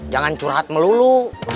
jangan curhat melulu